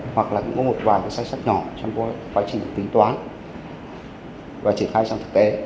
hoặc là cũng có một vài cái sai sách nhỏ trong quá trình tính toán và triển khai sang thực tế